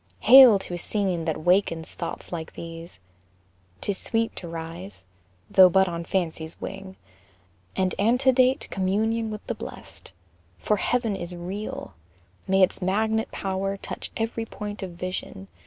Hail to a scene that wakens thoughts like these. 'Tis sweet to rise, though but on fancy's wing, And antedate communion with the blest, For Heaven is real! May its magnet power Touch every point of vision!